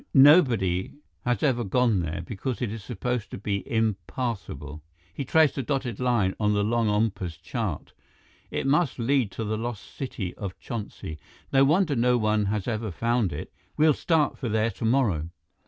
Nobody has ever gone there, because it is supposed to be impassable." He traced a dotted line on the longompa's chart. "It must lead to the Lost City of Chonsi. No wonder no one has ever found it! We'll start for there tomorrow."